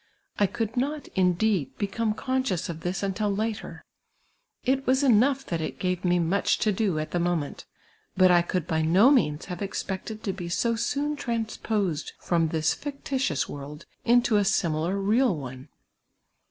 I could not, indeed, become conscious of this until later ; it was enough that it p;ave me much to do at the moment ; but I could by no nu\ins have expected to be so soon transposed from this fictitious world into a similar real one.